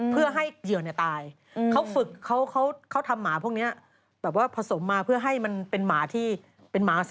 กัดแล้วแรงมันดีมากมันกัดไม่ปล่อยเลยอะ